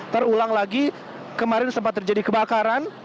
terulang lagi kemarin sempat terjadi kebakaran